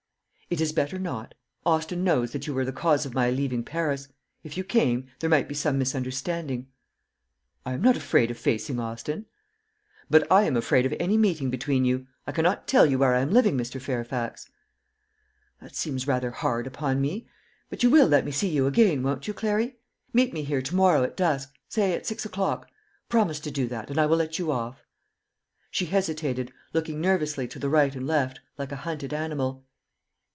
"It is better not. Austin knows that you were the cause of my leaving Paris. If you came, there might be some misunderstanding." "I am not afraid of facing Austin." "But I am afraid of any meeting between you. I cannot tell you where I am living, Mr. Fairfax." "That seems rather hard upon me. But you will let me see you again, won't you, Clary? Meet me here to morrow at dusk say at six o'clock. Promise to do that, and I will let you off." She hesitated, looking nervously to the right and left, like a hunted animal.